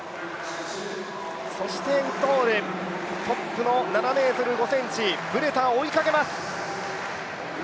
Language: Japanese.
そしてウッドホール、トップの７ｍ５ｃｍ、ブレタを追いかけます。